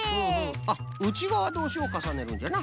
あっうちがわどうしをかさねるんじゃな。